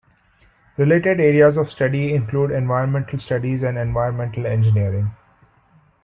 Related areas of study include environmental studies and environmental engineering.